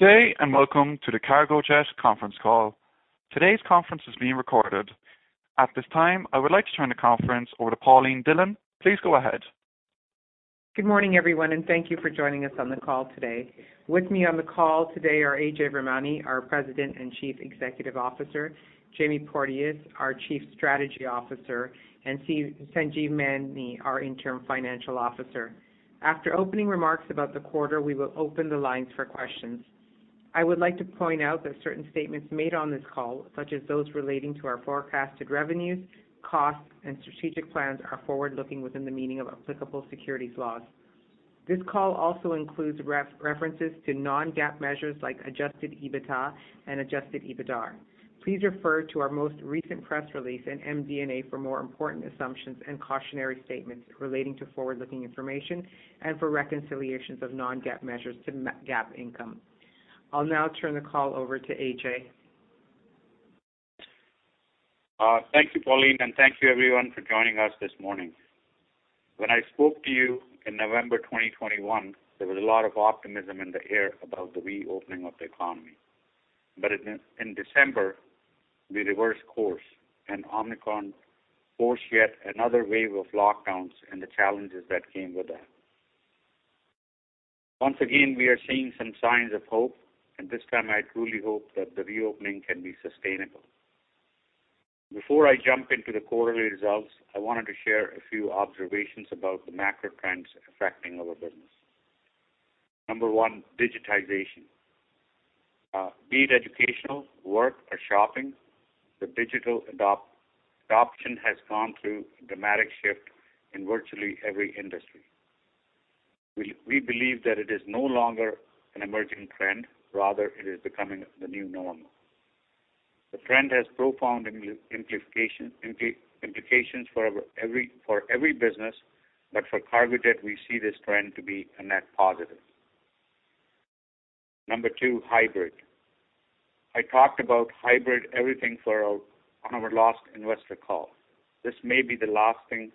Good day, and welcome to the Cargojet conference call. Today's conference is being recorded. At this time, I would like to turn the conference over to Pauline Dhillon. Please go ahead. Good morning, everyone, and thank you for joining us on the call today. With me on the call today are Ajay Virmani, our President and Chief Executive Officer, Jamie Porteous, our Chief Strategy Officer, and Sanjeev Maini, our Interim Financial Officer. After opening remarks about the quarter, we will open the lines for questions. I would like to point out that certain statements made on this call, such as those relating to our forecasted revenues, costs, and strategic plans, are forward-looking within the meaning of applicable securities laws. This call also includes references to non-GAAP measures like adjusted EBITDA and adjusted EBITDAR. Please refer to our most recent press release in MD&A for more important assumptions and cautionary statements relating to forward-looking information and for reconciliations of non-GAAP measures to GAAP income. I'll now turn the call over to Ajay. Thank you, Pauline, and thank you everyone for joining us this morning. When I spoke to you in November 2021, there was a lot of optimism in the air about the reopening of the economy. In December, we reversed course and Omicron forced yet another wave of lockdowns and the challenges that came with that. Once again, we are seeing some signs of hope, and this time I truly hope that the reopening can be sustainable. Before I jump into the quarterly results, I wanted to share a few observations about the macro trends affecting our business. Number one, digitization. Be it educational, work or shopping, the digital adoption has gone through a dramatic shift in virtually every industry. We believe that it is no longer an emerging trend, rather it is becoming the new normal. The trend has profound implications for every business, but for Cargojet, we see this trend to be a net positive. Number two, hybrid. I talked about hybrid everything for our on our last investor call. This may be the lasting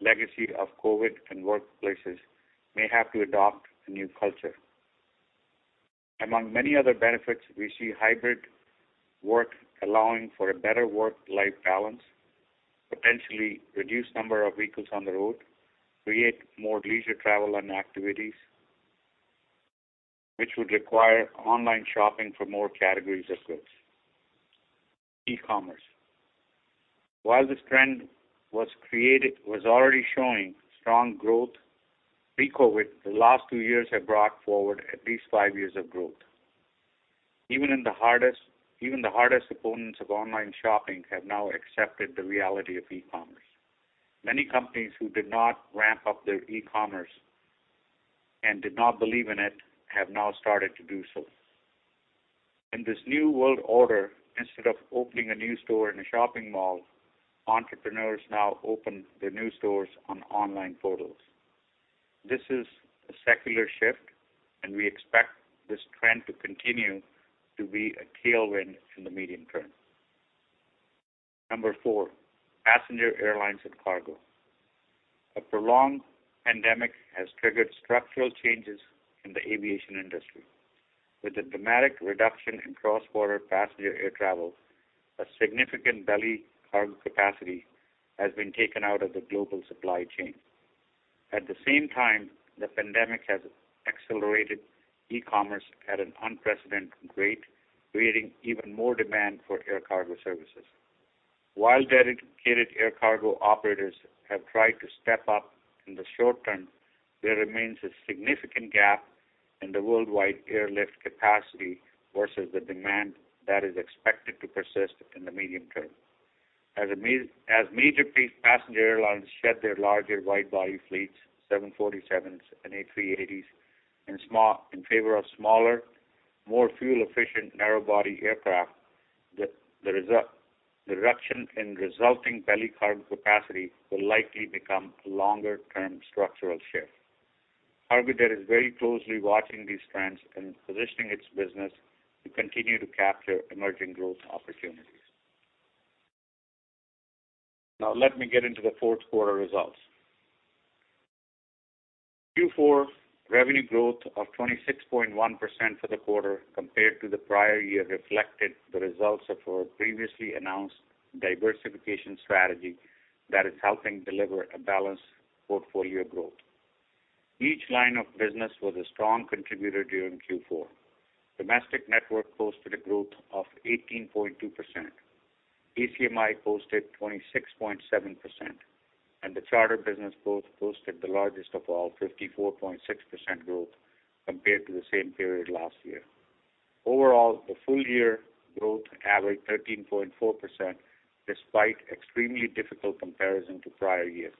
legacy of COVID, and workplaces may have to adopt a new culture. Among many other benefits, we see hybrid work allowing for a better work-life balance, potentially reduced number of vehicles on the road, create more leisure travel and activities, which would require online shopping for more categories of goods. E-commerce. While this trend was already showing strong growth pre-COVID, the last two years have brought forward at least five years of growth. Even the hardest opponents of online shopping have now accepted the reality of e-commerce. Many companies who did not ramp up their e-commerce and did not believe in it, have now started to do so. In this new world order, instead of opening a new store in a shopping mall, entrepreneurs now open their new stores on online portals. This is a secular shift, and we expect this trend to continue to be a tailwind in the medium term. Number four, passenger airlines and cargo. A prolonged pandemic has triggered structural changes in the aviation industry. With a dramatic reduction in cross-border passenger air travel, a significant belly cargo capacity has been taken out of the global supply chain. At the same time, the pandemic has accelerated e-commerce at an unprecedented rate, creating even more demand for air cargo services. While dedicated air cargo operators have tried to step up in the short term, there remains a significant gap in the worldwide airlift capacity versus the demand that is expected to persist in the medium term. As major passenger airlines shed their larger wide-body fleets, 747s and A380s, in favor of smaller, more fuel-efficient narrow-body aircraft, the reduction in resulting belly cargo capacity will likely become a longer-term structural shift. Cargojet is very closely watching these trends and positioning its business to continue to capture emerging growth opportunities. Now let me get into the fourth quarter results. Q4 revenue growth of 26.1% for the quarter compared to the prior year reflected the results of our previously announced diversification strategy that is helping deliver a balanced portfolio growth. Each line of business was a strong contributor during Q4. Domestic network posted a growth of 18.2%. ACMI posted 26.7%, and the charter business both posted the largest of all, 54.6% growth compared to the same period last year. Overall, the full year growth averaged 13.4% despite extremely difficult comparison to prior years.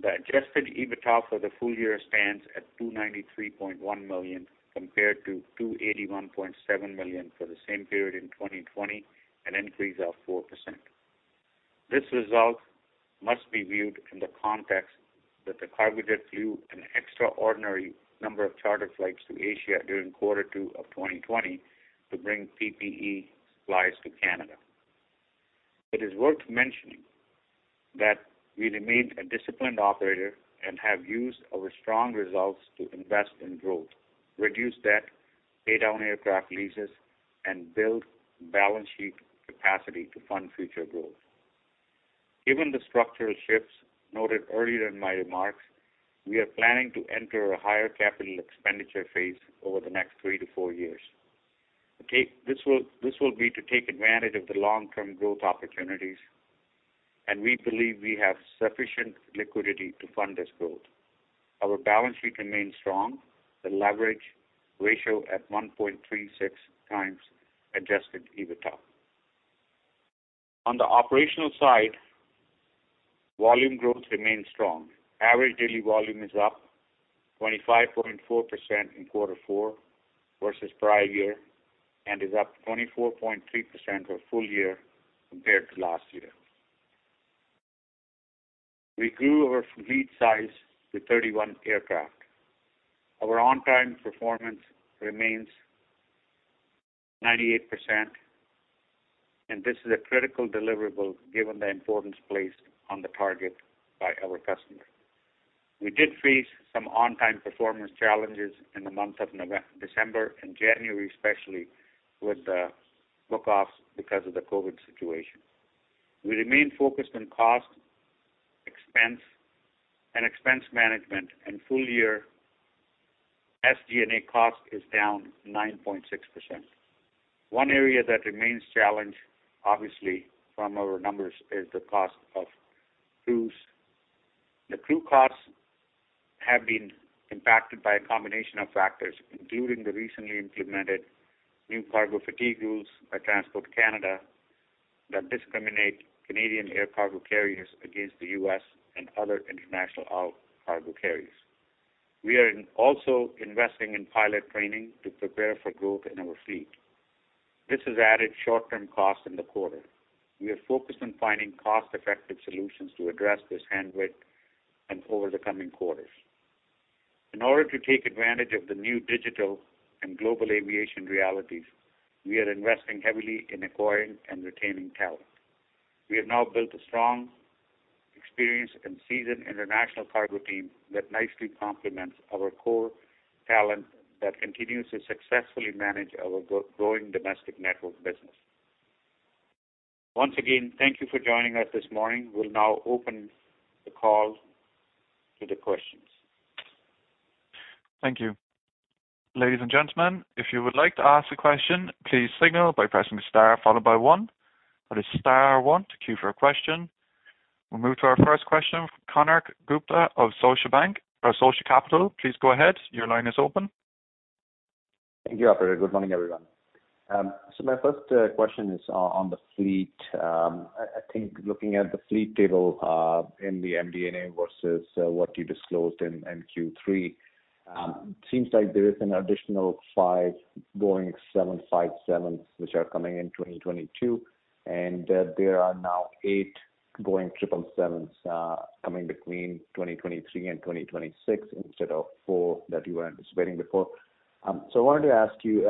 The adjusted EBITDA for the full year stands at 293.1 million, compared to 281.7 million for the same period in 2020, an increase of 4%. This result must be viewed in the context that the Cargojet flew an extraordinary number of charter flights to Asia during quarter 2 of 2020 to bring PPE supplies to Canada. It is worth mentioning that we remain a disciplined operator and have used our strong results to invest in growth, reduce debt, pay down aircraft leases, and build balance sheet capacity to fund future growth. Given the structural shifts noted earlier in my remarks, we are planning to enter a higher capital expenditure phase over the next 3-4 years. This will be to take advantage of the long-term growth opportunities, and we believe we have sufficient liquidity to fund this growth. Our balance sheet remains strong, the leverage ratio at 1.36 times adjusted EBITDA. On the operational side, volume growth remains strong. Average daily volume is up 25.4% in quarter four versus prior year and is up 24.3% for full year compared to last year. We grew our fleet size to 31 aircraft. Our on-time performance remains 98%, and this is a critical deliverable given the importance placed on the target by our customers. We did face some on-time performance challenges in the months of December and January, especially with the bookoffs because of the COVID situation. We remain focused on cost, expense, and expense management, and full year SG&A cost is down 9.6%. One area that remains challenged, obviously from our numbers, is the cost of crews. The crew costs have been impacted by a combination of factors, including the recently implemented new cargo fatigue rules by Transport Canada that discriminate Canadian air cargo carriers against the U.S. and other international all-cargo carriers. We are also investing in pilot training to prepare for growth in our fleet. This has added short-term costs in the quarter. We are focused on finding cost-effective solutions to address this headwind and over the coming quarters. In order to take advantage of the new digital and global aviation realities, we are investing heavily in acquiring and retaining talent. We have now built a strong, experienced, and seasoned international cargo team that nicely complements our core talent that continues to successfully manage our growing domestic network business. Once again, thank you for joining us this morning. We'll now open the call to the questions. Thank you. Ladies and gentlemen, if you would like to ask a question, please signal by pressing star followed by one. That is star one to queue for a question. We'll move to our first question from Konark Gupta of Scotiabank or Scotia Capital. Please go ahead. Your line is open. Thank you, operator. Good morning, everyone. My first question is on the fleet. I think looking at the fleet table in the MD&A versus what you disclosed in Q3, seems like there is an additional 5 Boeing 757s which are coming in 2022, and there are now 8 Boeing 777s coming between 2023 and 2026 instead of 4 that you were anticipating before. I wanted to ask you,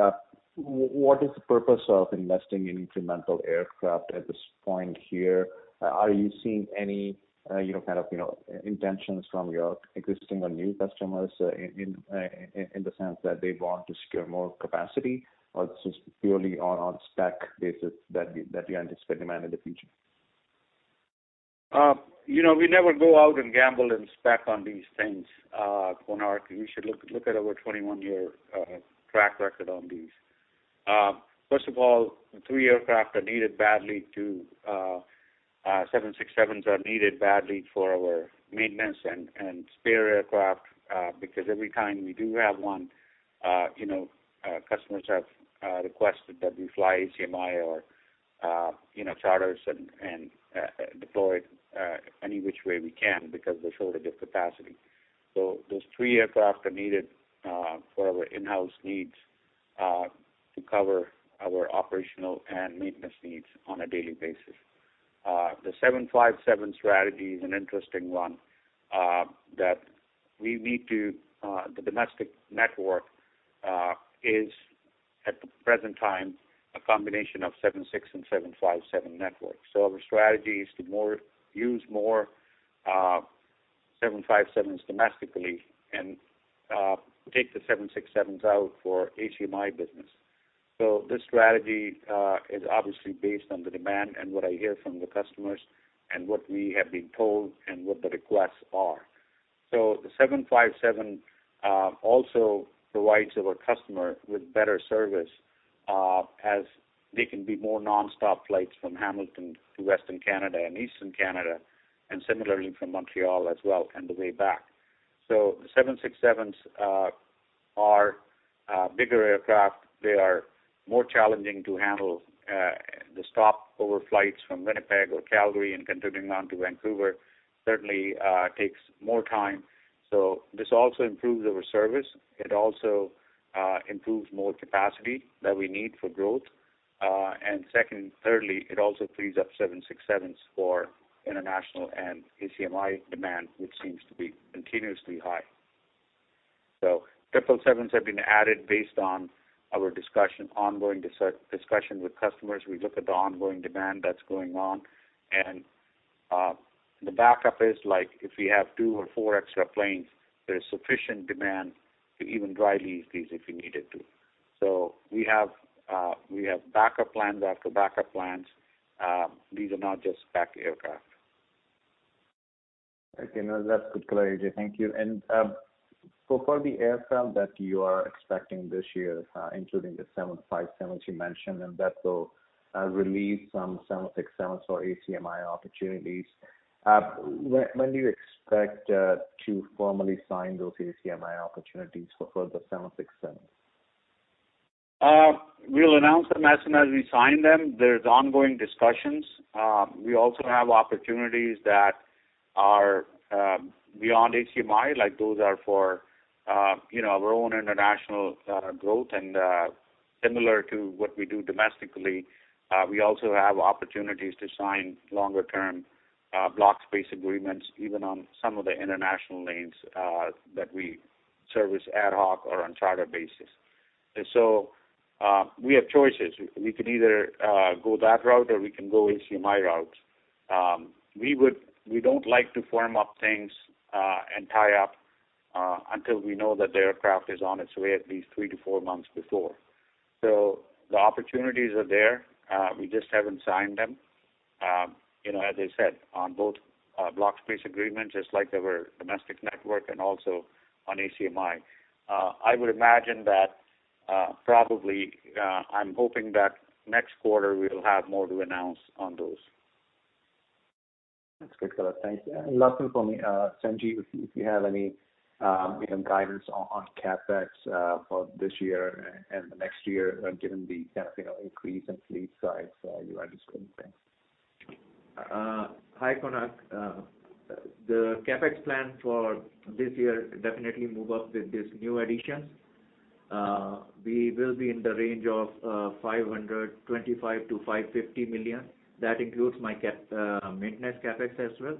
what is the purpose of investing in incremental aircraft at this point here? Are you seeing any, you know, kind of, you know, intentions from your existing or new customers in the sense that they want to secure more capacity or this is purely on spec basis that you anticipate demand in the future? You know, we never go out and gamble and spec on these things, Konark. You should look at our 21-year track record on these. First of all, the three aircraft are needed badly. 767s are needed badly for our maintenance and spare aircraft, because every time we do have one, you know, customers have requested that we fly ACMI or, you know, charters and deploy it any which way we can because they're short of this capacity. Those three aircraft are needed for our in-house needs to cover our operational and maintenance needs on a daily basis. The 757 strategy is an interesting one. The domestic network is at the present time a combination of 767 and 757 networks. Our strategy is to use more 757s domestically and take the 767s out for ACMI business. This strategy is obviously based on the demand and what I hear from the customers and what we have been told and what the requests are. The 757 also provides our customer with better service as they can be more non-stop flights from Hamilton to Western Canada and Eastern Canada, and similarly from Montreal as well and the way back. The 767s are bigger aircraft. They are more challenging to handle. The stopover flights from Winnipeg or Calgary and continuing on to Vancouver certainly takes more time. This also improves our service. It also improves more capacity that we need for growth. Second, thirdly, it also frees up 767s for international and ACMI demand, which seems to be continuously high. 777s have been added based on our discussion, ongoing discussion with customers. We look at the ongoing demand that's going on, and the backup is like if we have 2 or 4 extra planes, there is sufficient demand to even dry lease these if we needed to. We have backup plans after backup plans. These are not just backup aircraft. Okay. No, that's good clarity. Thank you. For the airframe that you are expecting this year, including the 757s you mentioned, and that will release some 767s for ACMI opportunities, when do you expect to formally sign those ACMI opportunities for further 767s? We'll announce them as soon as we sign them. There's ongoing discussions. We also have opportunities that are beyond ACMI, like those are for you know, our own international growth and similar to what we do domestically. We also have opportunities to sign longer term block space agreements, even on some of the international lanes that we service ad hoc or on charter basis. We have choices. We can either go that route, or we can go ACMI route. We don't like to firm up things and tie up until we know that the aircraft is on its way at least 3-4 months before. The opportunities are there. We just haven't signed them. You know, as I said, on both block space agreements, just like they were domestic network and also on ACMI. I would imagine that, probably, I'm hoping that next quarter we will have more to announce on those. That's good, Thanks. Last one for me, Sanjeev, if you have any, you know, guidance on CapEx for this year and the next year, given the capacity increase and fleet size you are describing. Thanks. Hi, Konark. The CapEx plan for this year definitely move up with this new addition. We will be in the range of 525 million-550 million. That includes maintenance CapEx as well.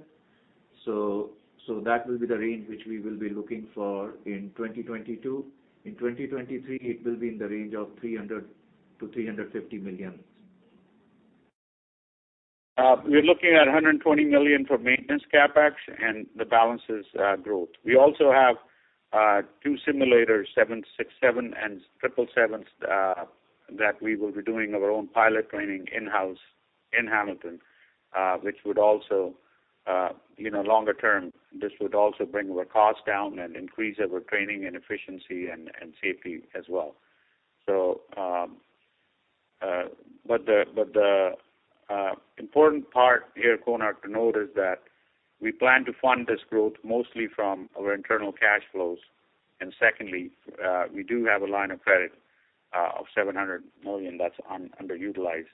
That will be the range which we will be looking for in 2022. In 2023, it will be in the range of 300 million-350 million. We're looking at 120 million for maintenance CapEx, and the balance is growth. We also have two simulators, 767 and 777s, that we will be doing our own pilot training in-house in Hamilton, which would also, you know, longer term, this would also bring our cost down and increase our training and efficiency and safety as well. The important part here, Konark, to note is that we plan to fund this growth mostly from our internal cash flows. Secondly, we do have a line of credit of 700 million that's underutilized.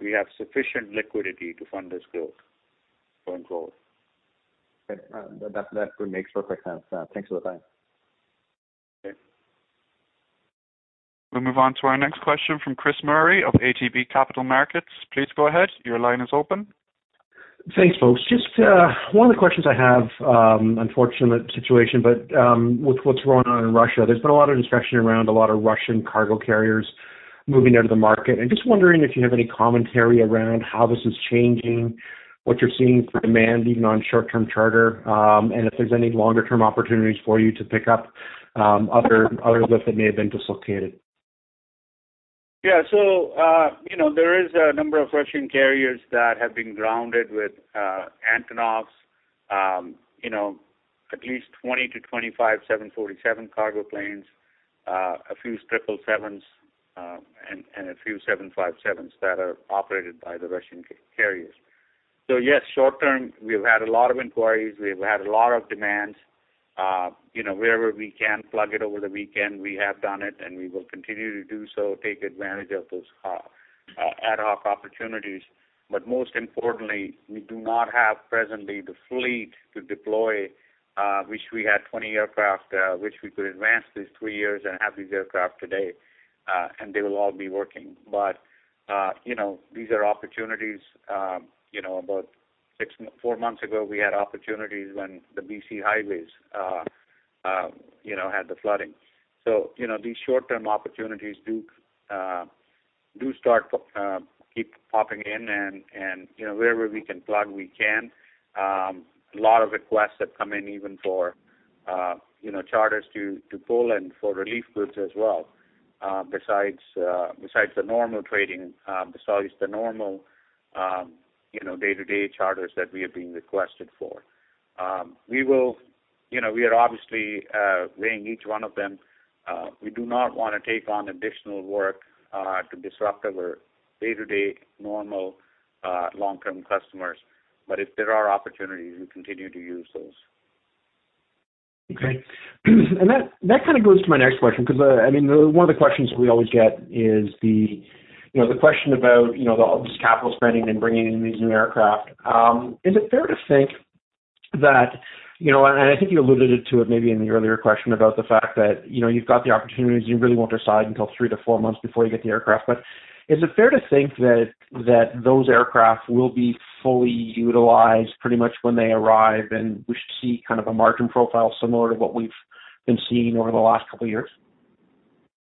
We have sufficient liquidity to fund this growth for growth. Great. That pretty much makes perfect sense. Thanks a lot. Bye. Okay. We'll move on to our next question from Chris Murray of ATB Capital Markets. Please go ahead. Your line is open. Thanks, folks. Just one of the questions I have, unfortunate situation, but with what's going on in Russia, there's been a lot of discussion around a lot of Russian cargo carriers moving out of the market, and just wondering if you have any commentary around how this is changing what you're seeing for demand, even on short-term charter, and if there's any longer-term opportunities for you to pick up others that may have been dislocated. Yeah. You know, there is a number of Russian carriers that have been grounded with Antonovs, you know, at least 20-25 747 cargo planes, a few 777s, and a few 757s that are operated by the Russian carriers. Yes, short term, we've had a lot of inquiries. We've had a lot of demands. You know, wherever we can plug it over the weekend, we have done it, and we will continue to do so, take advantage of those ad hoc opportunities. Most importantly, we do not have presently the fleet to deploy, which we had 20 aircraft, which we could advance these three years and have these aircraft today, and they will all be working. These are opportunities, you know, about four months ago, we had opportunities when the B.C. highways, you know, had the flooding. You know, these short-term opportunities do start to keep popping in and, you know, wherever we can plug, we can. A lot of requests have come in even for, you know, charters to Poland for relief goods as well, besides the normal trading, besides the normal, you know, day-to-day charters that we are being requested for. You know, we are obviously weighing each one of them. We do not wanna take on additional work to disrupt our day-to-day normal long-term customers. If there are opportunities, we continue to use those. Okay. That kind of goes to my next question because, I mean, one of the questions we always get is the, you know, the question about, you know, all this capital spending and bringing in these new aircraft. Is it fair to think that, you know, and I think you alluded to it maybe in the earlier question about the fact that, you know, you've got the opportunities, you really won't decide until 3 to 4 months before you get the aircraft. Is it fair to think that those aircraft will be fully utilized pretty much when they arrive, and we should see kind of a margin profile similar to what we've been seeing over the last couple of years?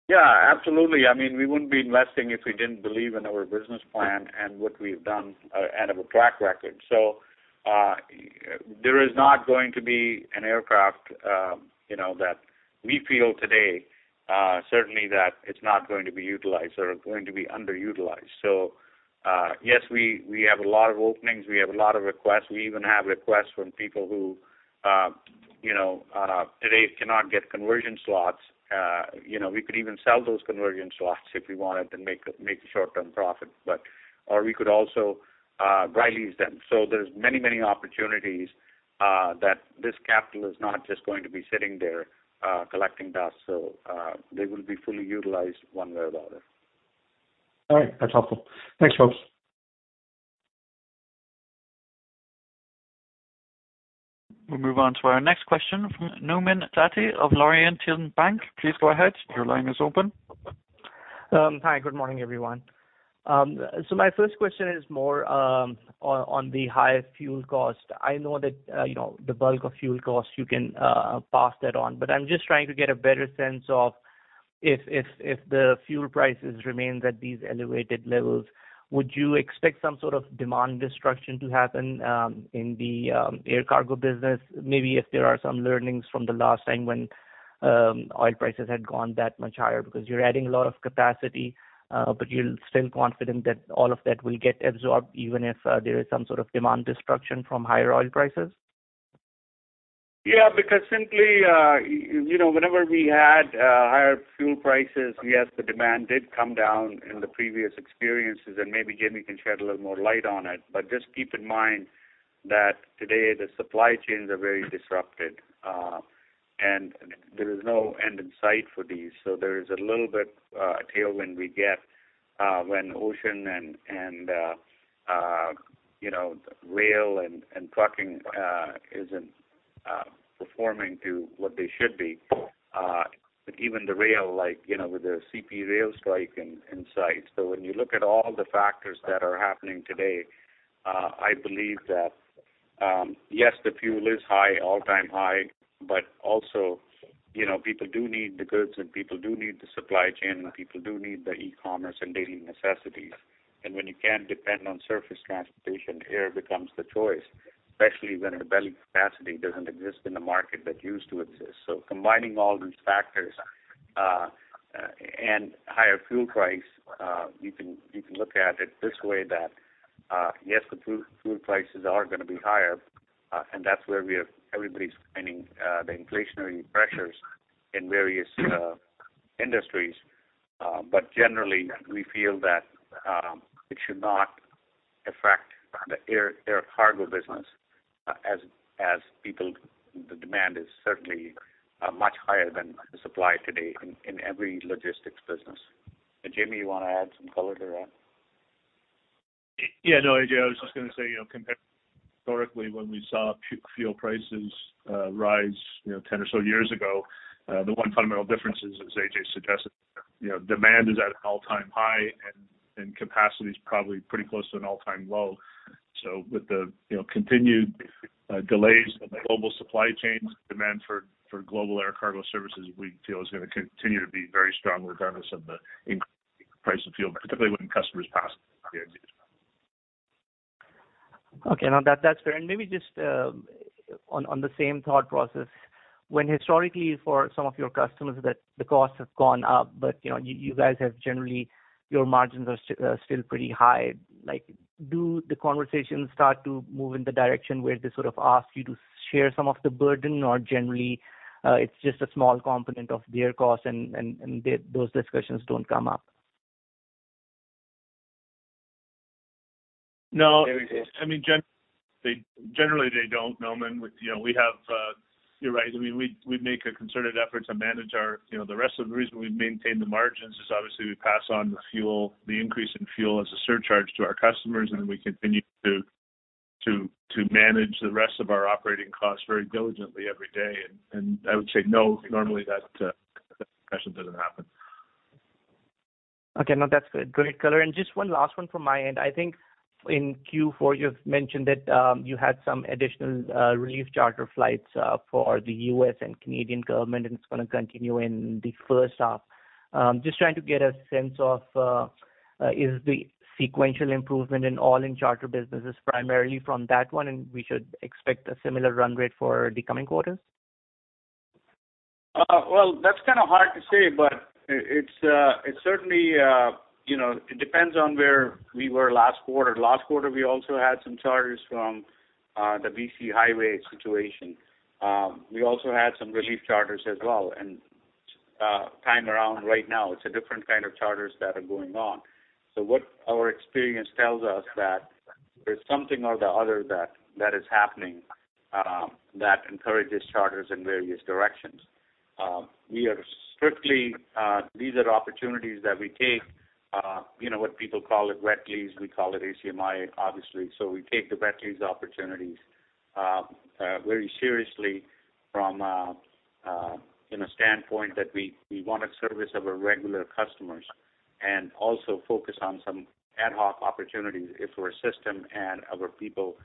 Yeah, absolutely. I mean, we wouldn't be investing if we didn't believe in our business plan and what we've done, and have a track record. There is not going to be an aircraft, you know, that we feel today, certainly that it's not going to be utilized or going to be underutilized. Yes, we have a lot of openings. We have a lot of requests. We even have requests from people who, you know, today cannot get conversion slots. You know, we could even sell those conversion slots if we wanted to make a short-term profit, but or we could also, dry lease them. There's many opportunities, that this capital is not just going to be sitting there, collecting dust. They will be fully utilized one way or the other. All right. That's helpful. Thanks, folks. We'll move on to our next question from Nauman Satti of Laurentian Bank. Please go ahead. Your line is open. Hi, good morning, everyone. So my first question is more on the higher fuel cost. I know that, you know, the bulk of fuel costs, you can pass that on. But I'm just trying to get a better sense of if the fuel prices remains at these elevated levels, would you expect some sort of demand destruction to happen in the air cargo business? Maybe if there are some learnings from the last time when oil prices had gone that much higher because you're adding a lot of capacity, but you're still confident that all of that will get absorbed, even if there is some sort of demand destruction from higher oil prices. Yeah, because simply, you know, whenever we had higher fuel prices, yes, the demand did come down in the previous experiences and maybe Jamie can shed a little more light on it. Just keep in mind that today the supply chains are very disrupted, and there is no end in sight for these. There is a little bit tailwind we get when ocean and you know, rail and trucking isn't performing to what they should be. Even the rail, like, you know, with the CP Rail strike in sight. When you look at all the factors that are happening today, I believe that, yes, the fuel is high, all-time high, but also, you know, people do need the goods, and people do need the supply chain, and people do need the e-commerce and daily necessities. When you can't depend on surface transportation, air becomes the choice, especially when the belly capacity doesn't exist in the market that used to exist. Combining all these factors, and higher fuel price, you can look at it this way, that, yes, the fuel prices are gonna be higher, and that's where we are. Everybody's finding the inflationary pressures in various industries. Generally we feel that it should not affect the air cargo business. The demand is certainly much higher than the supply today in every logistics business. Jamie, you wanna add some color to that? Yeah, no, Ajay, I was just gonna say, you know, compared historically when we saw fuel prices rise, you know, 10 or so years ago, the one fundamental difference is, as Ajay suggested, you know, demand is at an all-time high and capacity is probably pretty close to an all-time low. With the, you know, continued delays of the global supply chains, demand for global air cargo services, we feel is gonna continue to be very strong regardless of the input price of fuel, particularly when customers pass the increases. Okay. No, that's fair. Maybe just on the same thought process, when historically for some of your customers that the costs have gone up, but you know, you guys have generally, your margins are still pretty high. Like, do the conversations start to move in the direction where they sort of ask you to share some of the burden or generally, it's just a small component of their cost and those discussions don't come up? No, I mean, generally, they don't, Nauman. You're right. I mean, we make a concerted effort to manage our, you know, the rest of the reason we maintain the margins is obviously we pass on the fuel, the increase in fuel as a surcharge to our customers, and we continue to manage the rest of our operating costs very diligently every day. I would say, no, normally that discussion doesn't happen. Okay. No, that's good. Great color. Just one last one from my end. I think in Q4, you've mentioned that, you had some additional, relief charter flights, for the U.S. and Canadian government, and it's gonna continue in the first half. Just trying to get a sense of, is the sequential improvement in all-in charter businesses primarily from that one, and we should expect a similar run rate for the coming quarters? Well, that's kinda hard to say, but it's certainly, you know, it depends on where we were last quarter. Last quarter, we also had some charters from the BC highway situation. We also had some relief charters as well. Time around right now, it's a different kind of charters that are going on. What our experience tells us that there's something or the other that is happening that encourages charters in various directions. These are opportunities that we take, you know, what people call it wet lease, we call it ACMI, obviously. We take the wet lease opportunities very seriously from a standpoint that we wanna service our regular customers and also focus on some ad hoc opportunities if our system and our people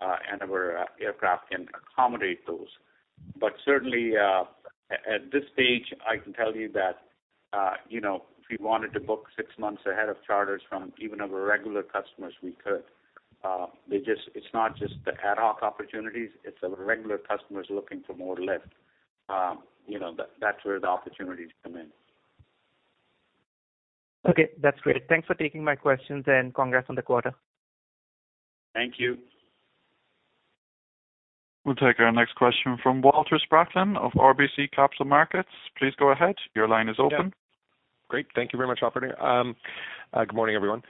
and our aircraft can accommodate those. Certainly, at this stage, I can tell you that, you know, if we wanted to book six months ahead of charters from even our regular customers, we could. It's not just the ad hoc opportunities, it's our regular customers looking for more lift. You know, that's where the opportunities come in. Okay, that's great. Thanks for taking my questions, and congrats on the quarter. Thank you. We'll take our next question from Walter Spracklin of RBC Capital Markets. Please go ahead. Your line is open. Yeah. Great. Thank you very much, operator. Good morning, everyone.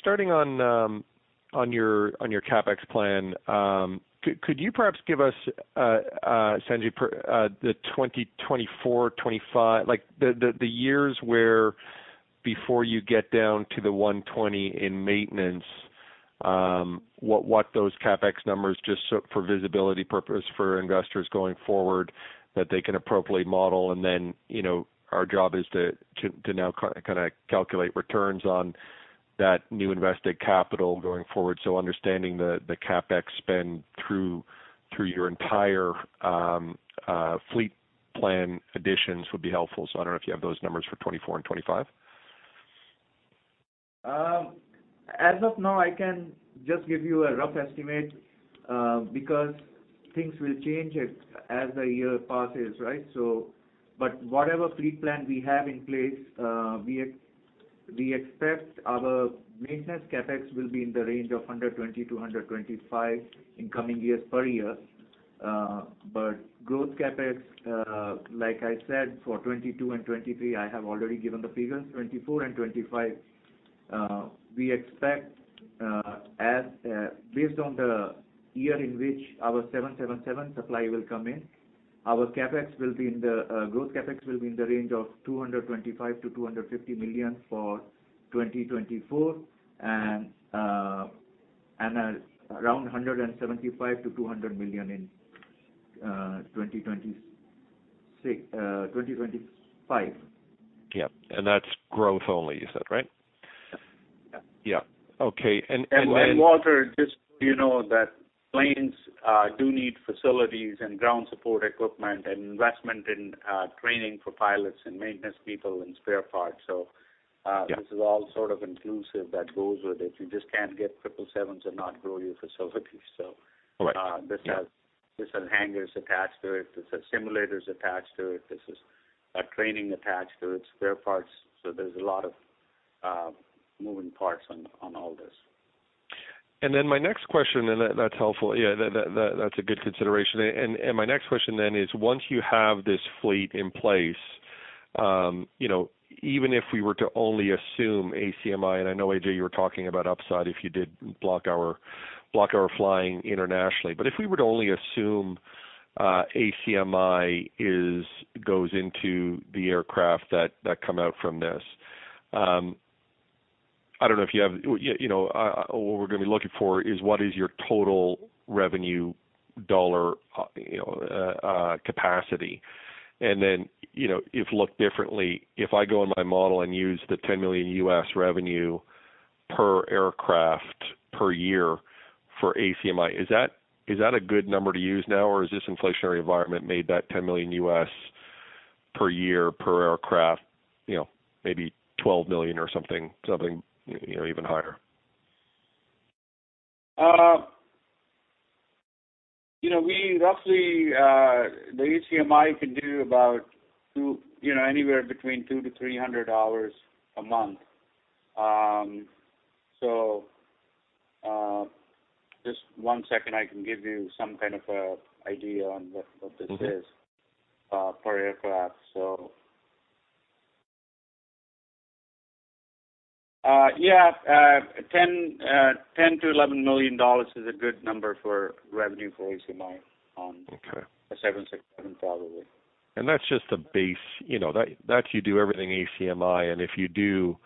Starting on your CapEx plan, could you perhaps give us, Sanjeev, for the 2024, 2025—like, the years where before you get down to the 120 in maintenance, what those CapEx numbers just so for visibility purposes for investors going forward that they can appropriately model and then, you know, our job is to now kind of calculate returns on that new invested capital going forward. Understanding the CapEx spend through your entire fleet plan additions would be helpful. I don't know if you have those numbers for 2024 and 2025. As of now, I can just give you a rough estimate, because things will change as the year passes, right? Whatever fleet plan we have in place, we expect our maintenance CapEx will be in the range of 120 million-125 million in coming years per year. Growth CapEx, like I said, for 2022 and 2023, I have already given the figures. 2024 and 2025, we expect, based on the year in which our 777 supply will come in, growth CapEx will be in the range of 225 million-250 million for 2024 and around 175 million-200 million in 2025. Yeah. That's growth only, you said, right? Yes. Yeah. Okay. Walter, just so you know that planes do need facilities and ground support equipment and investment in training for pilots and maintenance people and spare parts so. Yeah. This is all sort of inclusive that goes with it. You just can't get triple sevens and not grow your facilities. Right. This has hangars attached to it. This has simulators attached to it. This is training attached to it, spare parts. There's a lot of moving parts on all this. My next question, that's helpful. Yeah. That's a good consideration. My next question then is once you have this fleet in place, you know, even if we were to only assume ACMI, and I know, Ajay, you were talking about upside if you did block hour flying internationally. But if we were to only assume ACMI goes into the aircraft that come out from this, I don't know if you have, you know, what we're gonna be looking for is what is your total revenue dollar, you know, capacity? You know, if it looked differently, if I go in my model and use the $10 million revenue per aircraft per year for ACMI, is that a good number to use now, or is this inflationary environment made that $10 million per year per aircraft, you know, maybe $12 million or something, you know, even higher? You know, we roughly, the ACMI can do about 200, you know, anywhere between 200-300 hours a month. Just one second, I can give you some kind of an idea on what this is. Per aircraft, $10 million-$11 million is a good number for revenue for ACMI on- a 777 probably. That's just a base, you know, that you do everything ACMI, and if you do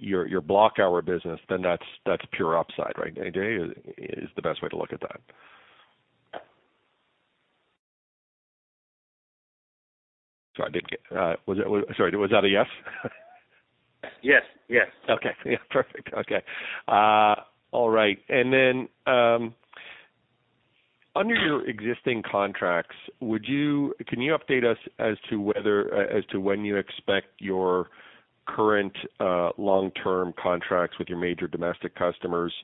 your block hour business, then that's pure upside, right? Ajay, is the best way to look at that? Sorry, was that a yes? Yes. Yes. Okay. Yeah. Perfect. Okay. All right. Then, under your existing contracts, can you update us as to whether, as to when you expect your current, long-term contracts with your major domestic customers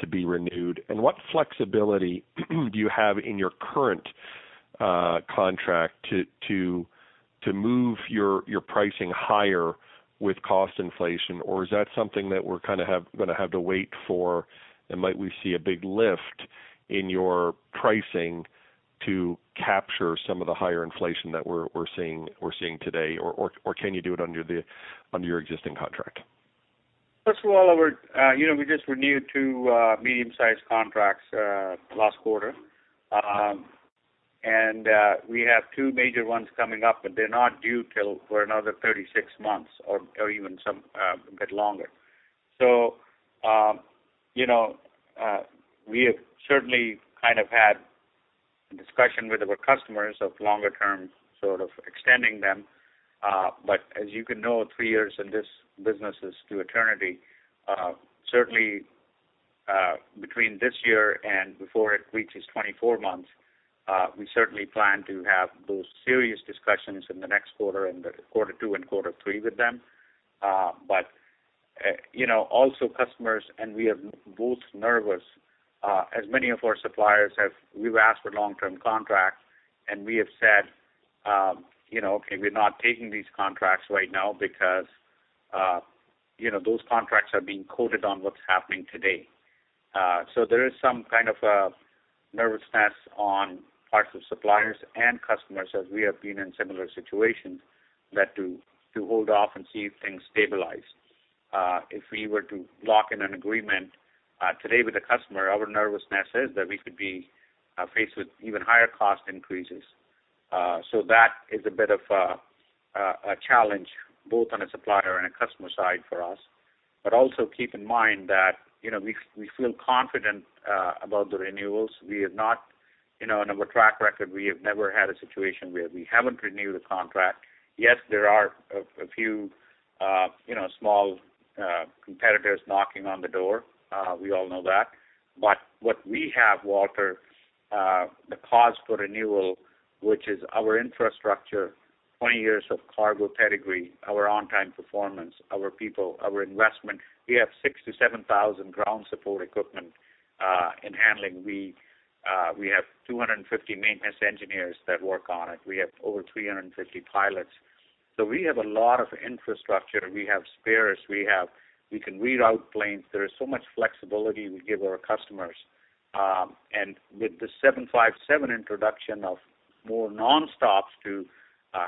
to be renewed? What flexibility do you have in your current, contract to move your pricing higher with cost inflation? Or is that something that we're kinda gonna have to wait for? Might we see a big lift in your pricing to capture some of the higher inflation that we're seeing today? Or can you do it under your existing contract? First of all, you know, we just renewed two medium-sized contracts last quarter. We have two major ones coming up, but they're not due for another 36 months or even a bit longer. You know, we have certainly kind of had discussion with our customers about longer-term, sort of extending them. As you know, three years in this business is an eternity. Certainly, between this year and before it reaches 24 months, we certainly plan to have those serious discussions in the next quarter, in quarter two and quarter three with them. You know, also customers and we are both nervous, as many of our suppliers, we've asked for long-term contracts, and we have said, you know, "Okay, we're not taking these contracts right now because, you know, those contracts are being quoted on what's happening today." There is some kind of a nervousness on the parts of suppliers and customers, as we have been in similar situations that tend to hold off and see if things stabilize. If we were to lock in an agreement today with a customer, our nervousness is that we could be faced with even higher cost increases. That is a bit of a challenge both on a supplier and a customer side for us. Also keep in mind that, you know, we feel confident about the renewals. We have not, you know, in our track record, we have never had a situation where we haven't renewed a contract. Yes, there are a few, you know, small competitors knocking on the door. We all know that. What we have, Walter, the cause for renewal, which is our infrastructure, 20 years of cargo pedigree, our on-time performance, our people, our investment. We have 6,000-7,000 ground support equipment in handling. We have 250 maintenance engineers that work on it. We have over 350 pilots. So we have a lot of infrastructure. We have spares, we can reroute planes. There is so much flexibility we give our customers. With the 757 introduction of more nonstops to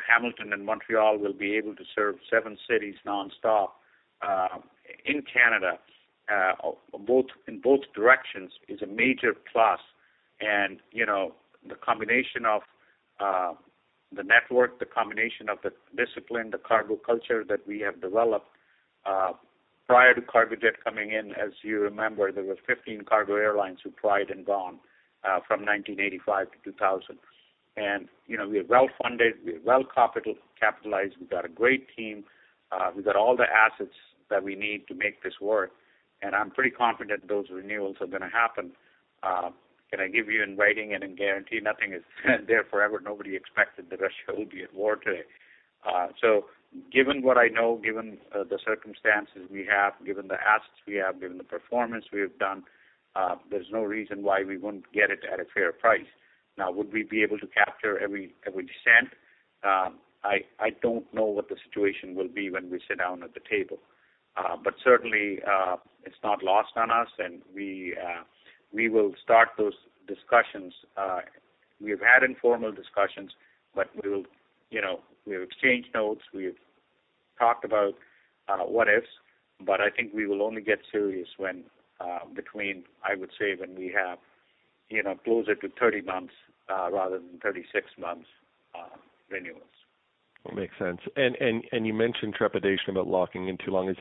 Hamilton and Montreal, we'll be able to serve seven cities nonstop in Canada in both directions, which is a major plus. You know, the network, the discipline, the cargo culture that we have developed prior to Cargojet coming in, as you remember, there were 15 cargo airlines who tried and gone from 1985 to 2000. You know, we are well-funded, we are well capitalized, we've got a great team, we got all the assets that we need to make this work. I'm pretty confident those renewals are gonna happen. Can I give you in writing and in guarantee? Nothing is there forever. Nobody expected the Russians would be at war today. Given what I know, given the circumstances we have, given the assets we have, given the performance we have done, there's no reason why we wouldn't get it at a fair price. Now, would we be able to capture every cent? I don't know what the situation will be when we sit down at the table. Certainly, it's not lost on us, and we will start those discussions. We have had informal discussions. You know, we have exchanged notes. We have talked about what-ifs. I think we will only get serious when, between, I would say, when we have, you know, closer to 30 months rather than 36 months renewals. Well, makes sense. You mentioned trepidation about locking in too long.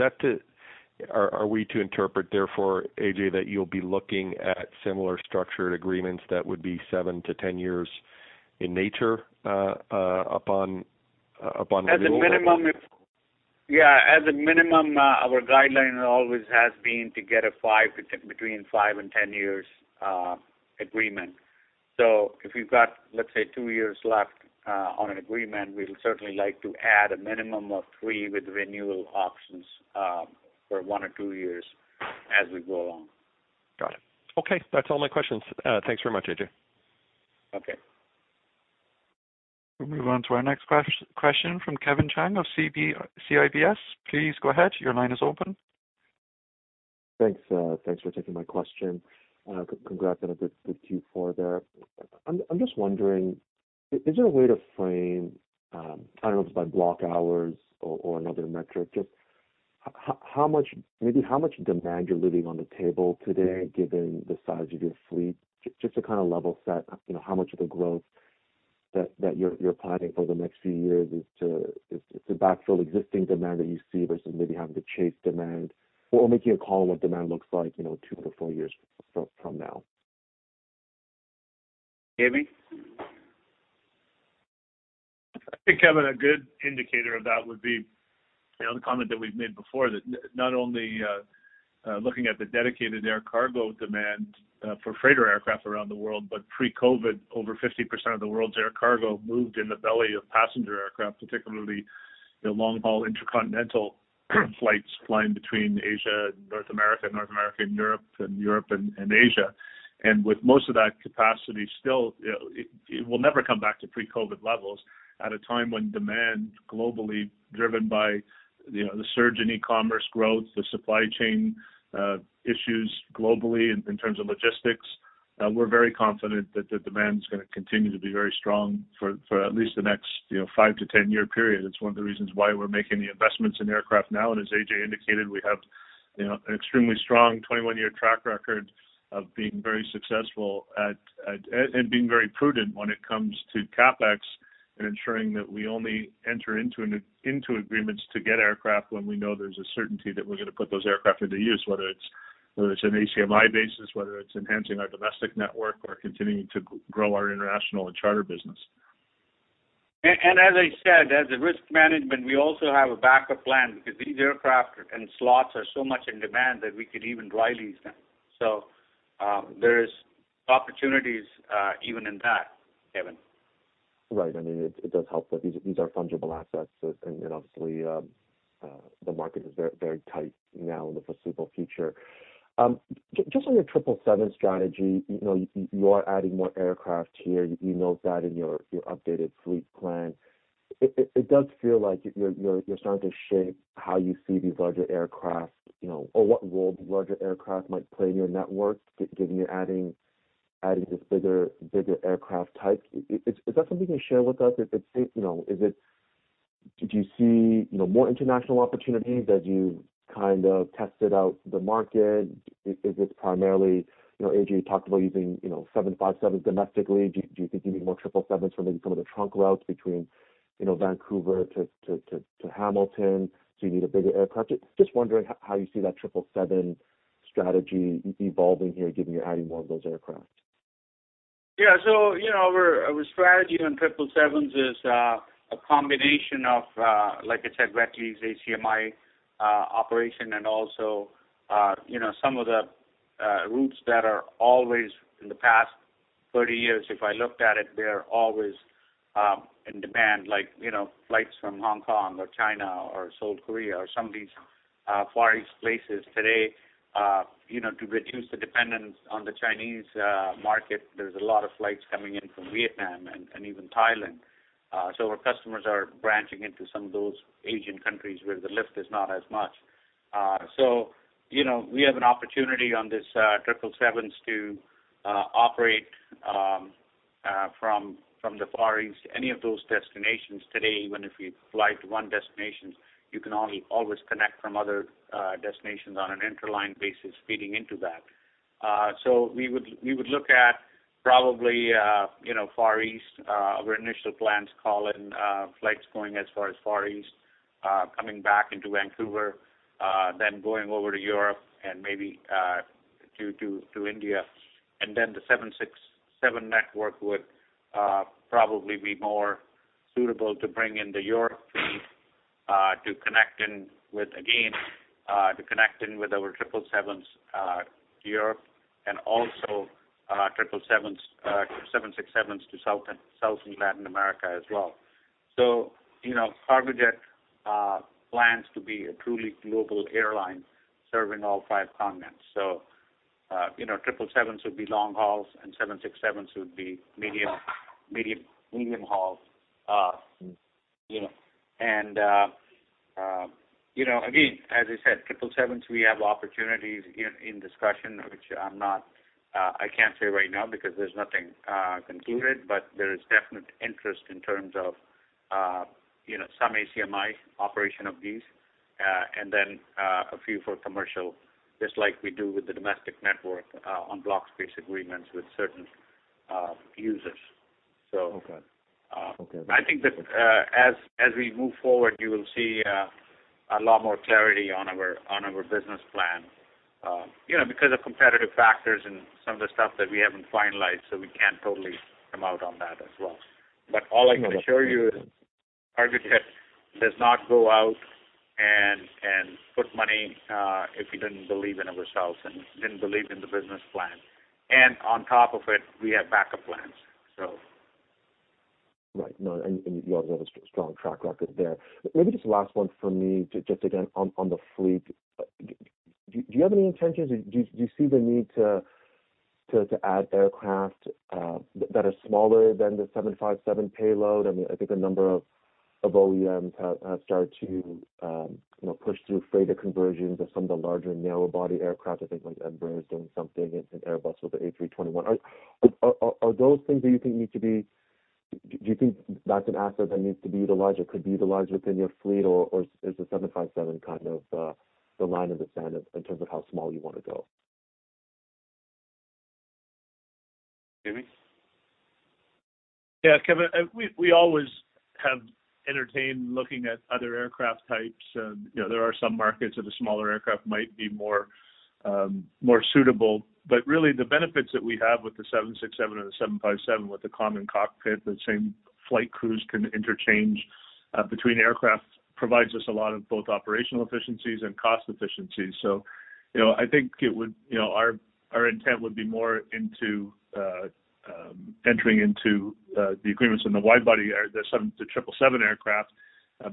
Are we to interpret therefore, Ajay, that you'll be looking at similar structured agreements that would be 7-10 years in nature, upon renewal or- As a minimum, our guideline always has been to get between five and 10 years agreement. If we've got, let's say, two years left on an agreement, we would certainly like to add a minimum of three with renewal options for one or two years as we go along. Got it. Okay. That's all my questions. Thanks very much, Ajay. Okay. We'll move on to our next question from Kevin Chiang of CIBC. Please go ahead. Your line is open. Thanks for taking my question. Congrats on a good Q4 there. I'm just wondering, is there a way to frame, I don't know if it's by block hours or another metric, just how much, maybe how much demand you're leaving on the table today, given the size of your fleet, just to kind of level set, you know, how much of the growth that you're planning for the next few years is to backfill existing demand that you see versus maybe having to chase demand or making a call on what demand looks like, you know, two to four years from now? Jamie? I think, Kevin, a good indicator of that would be, you know, the comment that we've made before, that not only looking at the dedicated air cargo demand for freighter aircraft around the world, but pre-COVID, over 50% of the world's air cargo moved in the belly of passenger aircraft, particularly the long-haul intercontinental flights flying between Asia and North America, North America and Europe, and Europe and Asia. With most of that capacity still, it will never come back to pre-COVID levels at a time when demand globally driven by, you know, the surge in e-commerce growth, the supply chain issues globally in terms of logistics. We're very confident that the demand is gonna continue to be very strong for at least the next, you know, 5-10-year period. It's one of the reasons why we're making the investments in aircraft now. As AJ indicated, we have, you know, an extremely strong 21-year track record of being very successful at and being very prudent when it comes to CapEx. And ensuring that we only enter into agreements to get aircraft when we know there's a certainty that we're gonna put those aircraft into use, whether it's an ACMI basis, whether it's enhancing our domestic network or continuing to grow our international and charter business. as I said, as a risk management, we also have a backup plan because these aircraft and slots are so much in demand that we could even dry lease them. There is opportunities even in that, Kevin. Right. I mean, it does help that these are fungible assets. Obviously, the market is very tight now in the foreseeable future. Just on your triple seven strategy, you know, you are adding more aircraft here. You note that in your updated fleet plan. It does feel like you're starting to shape how you see these larger aircraft, you know, or what role the larger aircraft might play in your network given you're adding these bigger aircraft types. Is that something you can share with us? If it's, you know, is it? Did you see, you know, more international opportunities as you kind of tested out the market? Is this primarily, you know, AJ talked about using, you know, seven five sevens domestically. Do you think you need more triple sevens for maybe some of the trunk routes between, you know, Vancouver to Hamilton, so you need a bigger aircraft? Just wondering how you see that triple seven strategy evolving here, given you're adding more of those aircraft. Yeah. You know, our strategy on triple sevens is a combination of, like I said, wet lease, ACMI operation, and also, you know, some of the routes that are always in the past 30 years, if I looked at it, they are always in demand, like, you know, flights from Hong Kong or China or Seoul, Korea, or some of these Far East places today. You know, to reduce the dependence on the Chinese market, there's a lot of flights coming in from Vietnam and even Thailand. So our customers are branching into some of those Asian countries where the lift is not as much. You know, we have an opportunity on this triple sevens to operate from the Far East. Any of those destinations today, when if you fly to one destination, you can always connect from other destinations on an interline basis feeding into that. We would look at probably, you know, Far East, our initial plans call for flights going as far as Far East, coming back into Vancouver, then going over to Europe and maybe to India. Then the 767 network would probably be more suitable to bring in the Europe fleet, to connect in with our 777s to Europe and also 777s, 767s to South and Latin America as well. You know, Cargojet plans to be a truly global airline serving all five continents. You know, triple sevens would be long hauls, and seven six sevens would be medium hauls. You know, again, as I said, triple sevens, we have opportunities in discussion, which I can't say right now because there's nothing concluded, but there is definite interest in terms of, you know, some ACMI operation of these, and then, a few for commercial, just like we do with the domestic network, on block space agreements with certain users. Okay. Okay. I think that, as we move forward, you will see a lot more clarity on our business plan, you know, because of competitive factors and some of the stuff that we haven't finalized, so we can't totally come out on that as well. All I can assure you is Cargojet does not go out and put money, if we didn't believe in ourselves and didn't believe in the business plan. On top of it, we have backup plans, so. Right. No, and you also have a strong track record there. Maybe just last one from me just again on the fleet. Do you have any intentions, do you see the need to add aircraft that are smaller than the 757 payload? I mean, I think a number of OEMs have started to, you know, push through freighter conversions of some of the larger narrow body aircraft. I think like Embraer is doing something, and Airbus with the A321. Are those things that you think need to be. Do you think that's an asset that needs to be utilized or could be utilized within your fleet, or is the 757 kind of the line in the sand in terms of how small you wanna go? Jamie? Yeah, Kevin, we always have entertained looking at other aircraft types. You know, there are some markets that a smaller aircraft might be more suitable. Really the benefits that we have with the 767 and the 757 with the common cockpit, the same flight crews can interchange between aircraft, provides us a lot of both operational efficiencies and cost efficiencies. You know, I think it would, you know, our intent would be more into entering into the agreements on the wide-body aircraft, the 777 aircraft,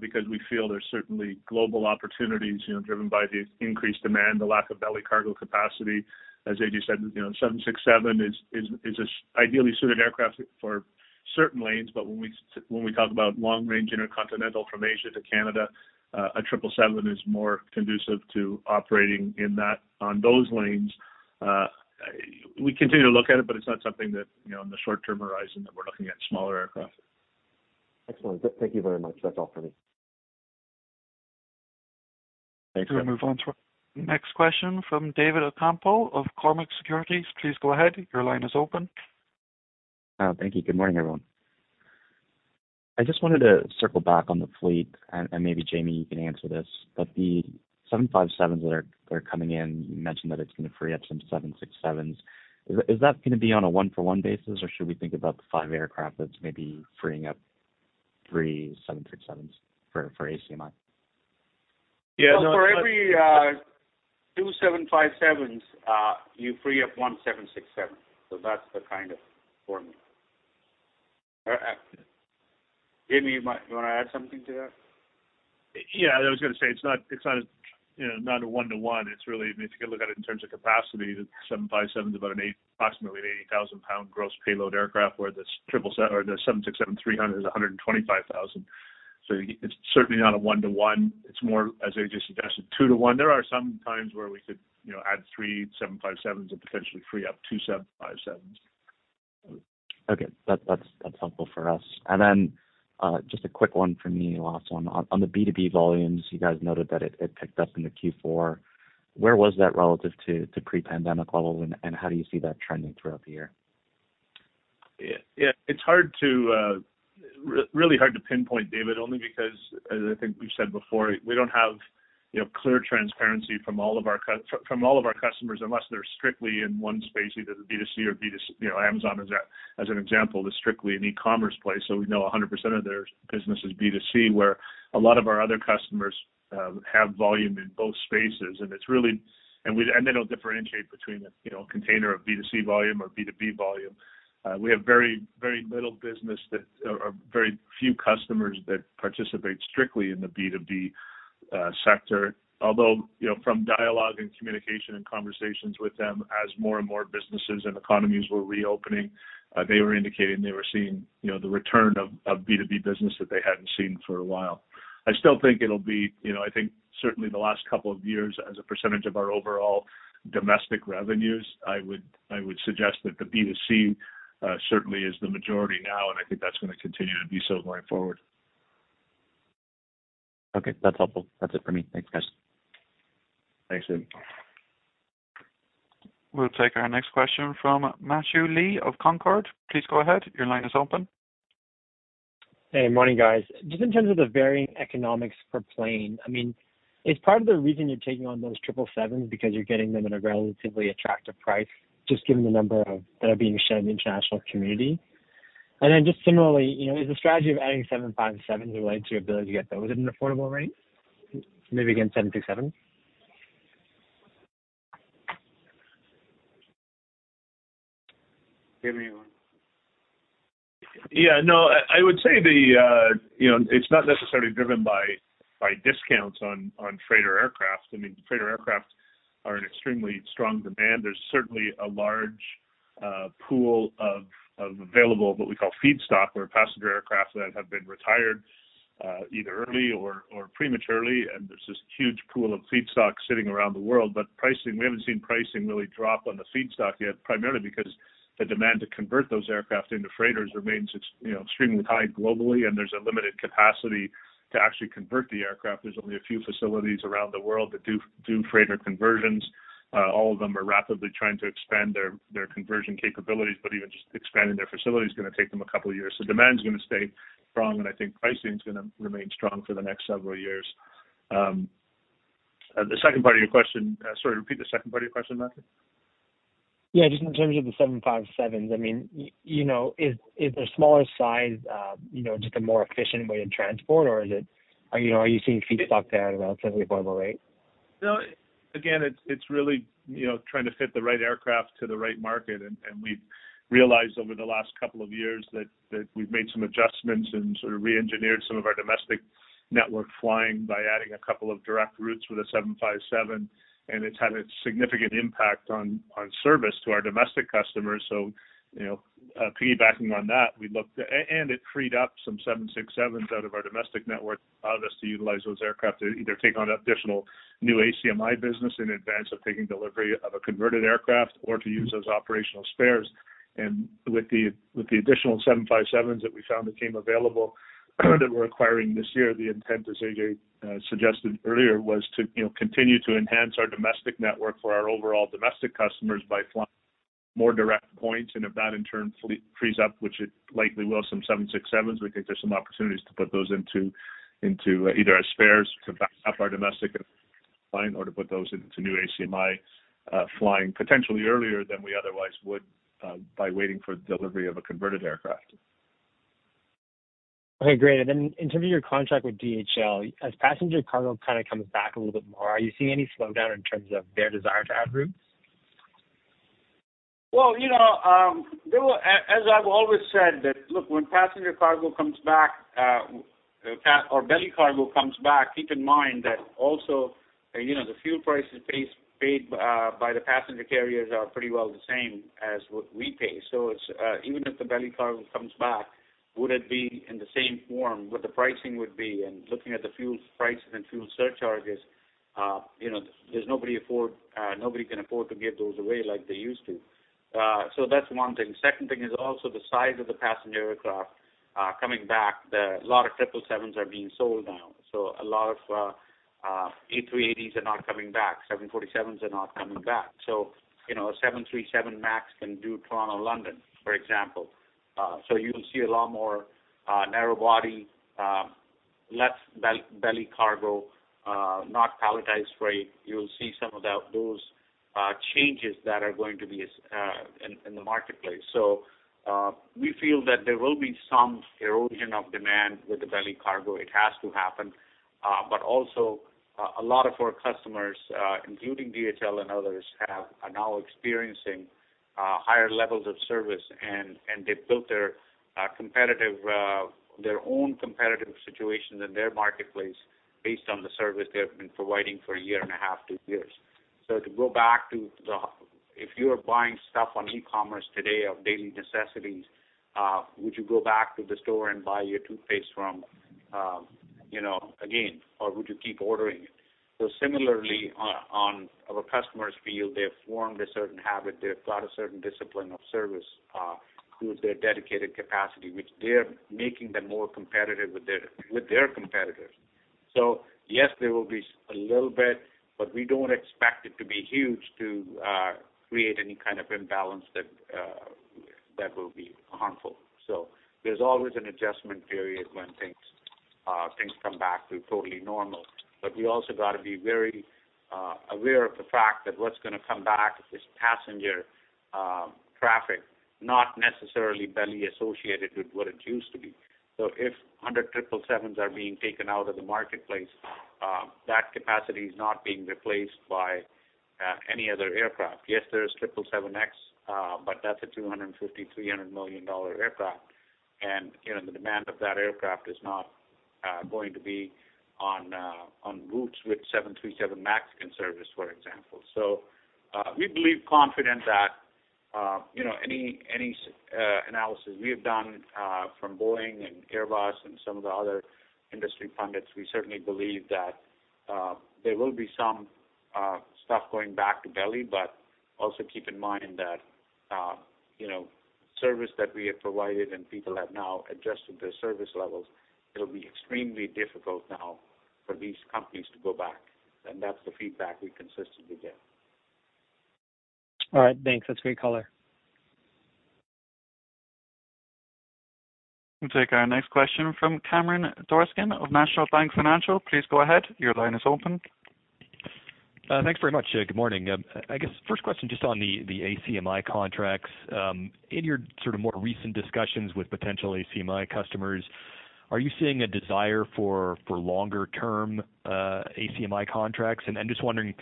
because we feel there's certainly global opportunities, you know, driven by the increased demand, the lack of belly cargo capacity. As Ajay said, you know, 767 is an ideally suited aircraft for certain lanes, but when we talk about long-range intercontinental from Asia to Canada, a 777 is more conducive to operating in that, on those lanes. We continue to look at it, but it's not something that, you know, in the short-term horizon that we're looking at smaller aircraft. Excellent. Thank you very much. That's all for me. Thanks. We'll move on to next question from David Ocampo of Cormark Securities. Please go ahead. Your line is open. Thank you. Good morning, everyone. I just wanted to circle back on the fleet, and maybe Jamie, you can answer this. The seven five sevens that are coming in, you mentioned that it's gonna free up some seven six sevens. Is that gonna be on a one-for-one basis, or should we think about the 5 aircraft that's maybe freeing up 3 seven six sevens for ACMI? For every two 757s, you free up one 767. That's the kind of formula. Jamie, you wanna add something to that? Yeah, I was gonna say it's not a, you know, not a one-to-one. It's really, I mean, if you can look at it in terms of capacity, the 757's about approximately an 80,000-pound gross payload aircraft, where the 767-300 is a 125,000. It's certainly not a one-to-one. It's more, as AJ suggested, two-to-one. There are some times where we could, you know, add three 757s and potentially free up two 757s. Okay. That's helpful for us. Just a quick one from me, last one. On the B2B volumes, you guys noted that it picked up in the Q4. Where was that relative to pre-pandemic levels, and how do you see that trending throughout the year? Yeah, it's really hard to pinpoint, David, only because, as I think we've said before, we don't have, you know, clear transparency from all of our customers unless they're strictly in one space, either the B2C or B2B. You know, Amazon as an example is strictly an e-commerce place, so we know 100% of their business is B2C, where a lot of our other customers have volume in both spaces. They don't differentiate between the, you know, container of B2C volume or B2B volume. We have very little business or very few customers that participate strictly in the B2B sector. Although, you know, from dialogue and communication and conversations with them, as more and more businesses and economies were reopening, they were indicating they were seeing, you know, the return of B2B business that they hadn't seen for a while. I still think it'll be, you know, I think certainly the last couple of years as a percentage of our overall domestic revenues, I would suggest that the B2C certainly is the majority now, and I think that's gonna continue to be so going forward. Okay. That's helpful. That's it for me. Thanks, guys. Thanks, David. We'll take our next question from Matthew Lee of Canaccord Genuity. Please go ahead. Your line is open. Hey. Morning, guys. Just in terms of the varying economics per plane, I mean, is part of the reason you're taking on those triple sevens because you're getting them at a relatively attractive price, just given the number of that are being shed in the international community? Just similarly, you know, is the strategy of adding seven five sevens related to your ability to get those at an affordable rate, maybe against seven six sevens? Jamie? Yeah, no. I would say the, you know, it's not necessarily driven by discounts on freighter aircraft. I mean, freighter aircraft are in extremely strong demand. There's certainly a large pool of available what we call feedstock or passenger aircraft that have been retired either early or prematurely. There's this huge pool of feedstock sitting around the world. But pricing, we haven't seen pricing really drop on the feedstock yet, primarily because the demand to convert those aircraft into freighters remains you know, extremely high globally, and there's a limited capacity to actually convert the aircraft. There's only a few facilities around the world that do freighter conversions. All of them are rapidly trying to expand their conversion capabilities, but even just expanding their facility is gonna take them a couple years. Demand's gonna stay strong, and I think pricing's gonna remain strong for the next several years. Sorry, repeat the second part of your question, Matthew. Yeah. Just in terms of the 757s, I mean, you know, is their smaller size just a more efficient way to transport, or is it you know, are you seeing feedstock there at a relatively affordable rate? No. Again, it's really, you know, trying to fit the right aircraft to the right market. We've realized over the last couple of years that we've made some adjustments and sort of reengineered some of our domestic network flying by adding a couple of direct routes with a 757, and it's had a significant impact on service to our domestic customers. You know, piggybacking on that, it freed up some 767s out of our domestic network, allowed us to utilize those aircraft to either take on additional new ACMI business in advance of taking delivery of a converted aircraft or to use those operational spares. With the additional Boeing 757s that we found that came available that we're acquiring this year, the intent, as AJ suggested earlier, was to, you know, continue to enhance our domestic network for our overall domestic customers by flying more direct points. If that in turn fleet frees up, which it likely will, some Boeing 767s, we think there's some opportunities to put those into either as spares to back up our domestic flying or to put those into new ACMI flying potentially earlier than we otherwise would by waiting for delivery of a converted aircraft. Okay. Great. In terms of your contract with DHL, as passenger cargo kinda comes back a little bit more, are you seeing any slowdown in terms of their desire to add routes? Well, you know, as I've always said, that look, when passenger cargo comes back or belly cargo comes back, keep in mind that also, you know, the fuel prices paid by the passenger carriers are pretty well the same as what we pay. So, even if the belly cargo comes back, would it be in the same form, what the pricing would be? Looking at the fuel prices and fuel surcharges, you know, nobody can afford to give those away like they used to. That's one thing. Second thing is also the size of the passenger aircraft coming back. A lot of 777s are being sold now, so a lot of A380s are not coming back. 747s are not coming back. You know, 737 MAX can do Toronto, London, for example. You will see a lot more narrow body, less belly cargo, not palletized freight. You'll see some of that, those changes that are going to be in the marketplace. We feel that there will be some erosion of demand with the belly cargo. It has to happen. But also a lot of our customers, including DHL and others, are now experiencing higher levels of service and they've built their own competitive situation in their marketplace based on the service they have been providing for a year and a half, two years. To go back to the If you are buying stuff on e-commerce today of daily necessities, would you go back to the store and buy your toothpaste from, you know, again, or would you keep ordering it? Similarly on our customers' side, they have formed a certain habit. They've got a certain discipline of service through their dedicated capacity, which they're making them more competitive with their competitors. Yes, there will be a little bit, but we don't expect it to be huge to create any kind of imbalance that will be harmful. There's always an adjustment period when things come back to totally normal. We also got to be very aware of the fact that what's gonna come back is passenger traffic, not necessarily belly associated with what it used to be. If 777s are being taken out of the marketplace, that capacity is not being replaced by any other aircraft. Yes, there is 777X, but that's a $250-$300 million aircraft. You know, the demand of that aircraft is not going to be on routes which 737 MAX can service, for example. We believe confident that you know, any analysis we have done from Boeing and Airbus and some of the other industry pundits, we certainly believe that there will be some stuff going back to belly. Also keep in mind that you know, service that we have provided and people have now adjusted their service levels, it'll be extremely difficult now for these companies to go back. That's the feedback we consistently get. All right. Thanks. That's great color. We'll take our next question from Cameron Doerksen of National Bank Financial. Please go ahead. Your line is open. Thanks very much. Good morning. I guess first question, just on the ACMI contracts. In your sort of more recent discussions with potential ACMI customers, are you seeing a desire for longer term ACMI contracts? Just wondering,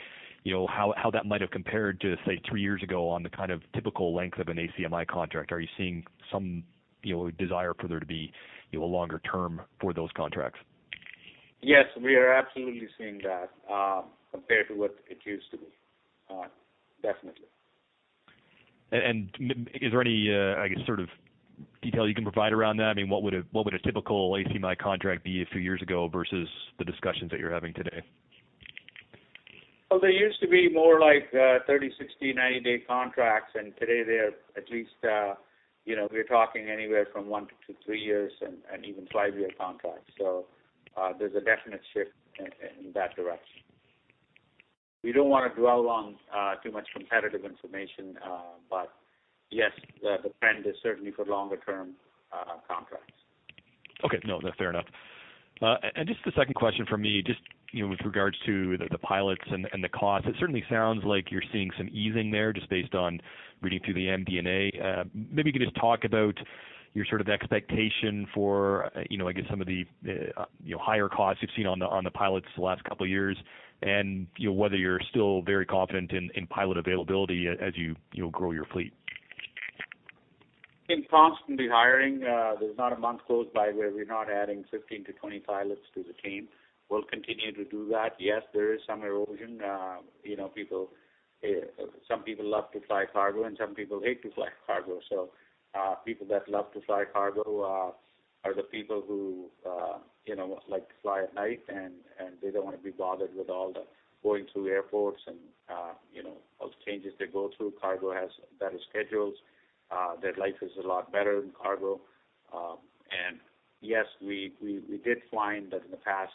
you know, how that might have compared to, say, three years ago on the kind of typical length of an ACMI contract. Are you seeing some, you know, desire for there to be, you know, a longer term for those contracts? Yes, we are absolutely seeing that, compared to what it used to be. Definitely. Is there any, I guess, sort of detail you can provide around that? I mean, what would a typical ACMI contract be a few years ago versus the discussions that you're having today? Well, they used to be more like 30-, 60-, 90-day contracts, and today they are at least, you know, we're talking anywhere from 1 to 2, 3 years and even 5-year contracts. There's a definite shift in that direction. We don't wanna dwell on too much competitive information, but yes, the trend is certainly for longer term contracts. Okay. No, no, fair enough. Just the second question from me, just you know with regards to the pilots and the cost. It certainly sounds like you're seeing some easing there, just based on reading through the MD&A. Maybe you could just talk about your sort of expectation for you know I guess some of the you know higher costs you've seen on the pilots the last couple of years and you know whether you're still very confident in pilot availability as you know, grow your fleet. We're constantly hiring. There's not a month goes by where we're not adding 15-20 pilots to the team. We'll continue to do that. Yes, there is some erosion. You know, people, some people love to fly cargo, and some people hate to fly cargo. People that love to fly cargo are the people who, you know, like to fly at night, and they don't wanna be bothered with all the going through airports and, you know, all the changes they go through. Cargo has better schedules. Their life is a lot better in cargo. Yes, we did find that in the past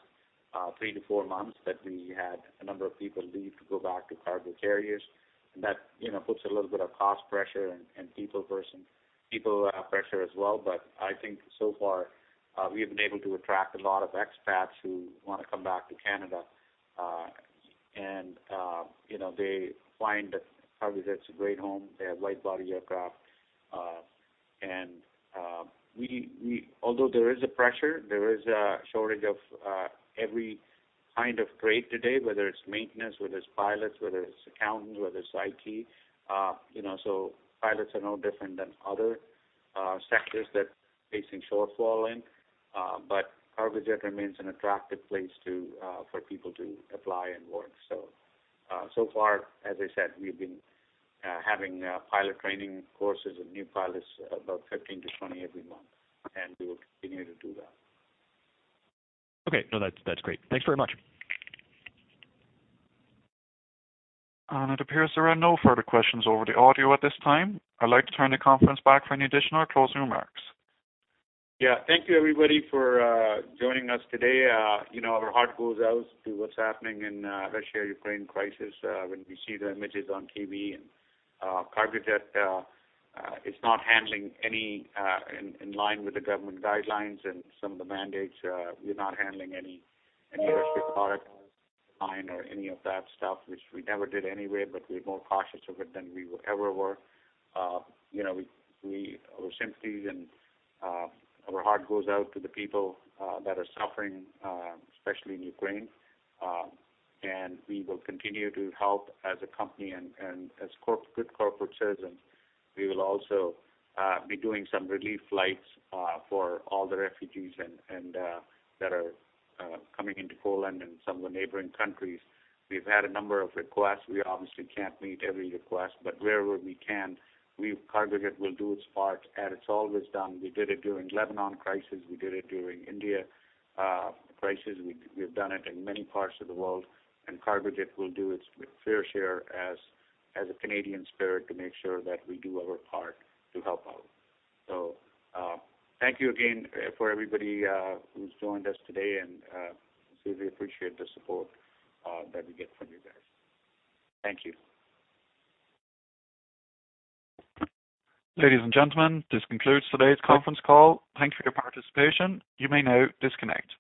3-4 months that we had a number of people leave to go back to cargo carriers. That puts a little bit of cost pressure and people pressure as well. I think so far we've been able to attract a lot of expats who wanna come back to Canada. They find that Cargojet's a great home. They have narrow-body aircraft. Although there is pressure, there is a shortage of every kind of trade today, whether it's maintenance, whether it's pilots, whether it's accountants, whether it's IT. Pilots are no different than other sectors that facing shortfall in. Cargojet remains an attractive place for people to apply and work so. So far, as I said, we've been having pilot training courses and new pilots about 15-20 every month, and we will continue to do that. Okay. No, that's great. Thanks very much. It appears there are no further questions over the audio at this time. I'd like to turn the conference back for any additional or closing remarks. Yeah. Thank you, everybody, for joining us today. You know, our heart goes out to what's happening in Russia-Ukraine crisis when we see the images on TV. Cargojet is not handling any in line with the government guidelines and some of the mandates. We're not handling any Russian product line or any of that stuff, which we never did anyway, but we're more cautious of it than we ever were. You know, our sympathies and our heart goes out to the people that are suffering, especially in Ukraine. We will continue to help as a company and as good corporate citizens. We will also be doing some relief flights for all the refugees and that are coming into Poland and some of the neighboring countries. We've had a number of requests. We obviously can't meet every request, but wherever we can, Cargojet will do its part as it's always done. We did it during Lebanon crisis. We did it during India crisis. We've done it in many parts of the world, and Cargojet will do its fair share as a Canadian spirit to make sure that we do our part to help out. Thank you again for everybody who's joined us today and we really appreciate the support that we get from you guys. Thank you. Ladies and gentlemen, this concludes today's conference call. Thank you for your participation. You may now disconnect.